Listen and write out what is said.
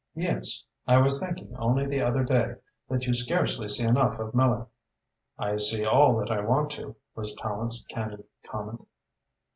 "Yes! I was thinking, only the other day, that you scarcely see enough of Miller." "I see all that I want to," was Tallente's candid comment.